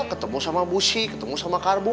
ketemu sama busi ketemu sama karbu